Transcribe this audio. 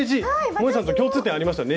もえさんと共通点ありましたよ